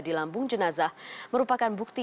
di lambung jenazah merupakan bukti